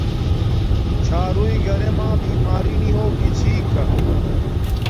چھاروݵ گھرے ما بیماری نی ہوگی چھی کا